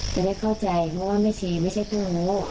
จะได้เข้าใจเพราะว่าไม่ใช่ผู้